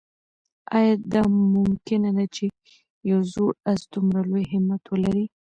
آیا دا ممکنه ده چې یو زوړ آس دومره لوی همت ولري؟